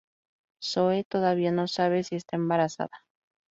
Zoe todavía no sabe si está embarazada.